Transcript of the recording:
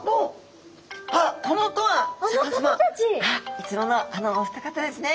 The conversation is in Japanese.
いつものあのお二方ですね。